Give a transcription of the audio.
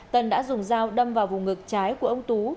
tân đã dùng dao đâm vào vùng ngực trái của ông tú